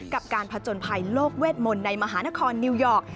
กับการผจญภัยโลกเวทมนต์ในมหานครนิวยอร์ก